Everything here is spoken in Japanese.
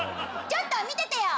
ちょっと見ててよ。